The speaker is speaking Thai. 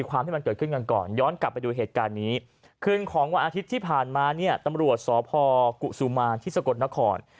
วันอาทิตย์ที่ผ่านมาเนี่ยตำรวจสอบพกุศุมารที่สะกดนคร